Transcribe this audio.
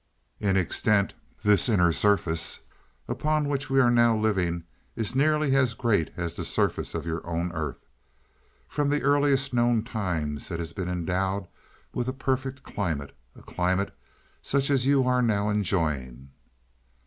"In extent this Inner Surface upon which we are now living is nearly as great as the surface of your own earth. From the earliest known times it has been endowed with a perfect climate a climate such as you are now enjoying."